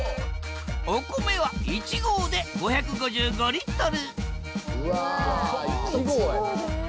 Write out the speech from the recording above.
お米は１合で５５５リットル１合で！